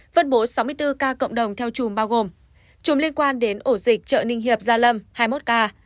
phân bố sáu mươi bốn ca cộng đồng theo chùm bao gồm chùm liên quan đến ổ dịch chợ ninh hiệp gia lâm hai mươi một ca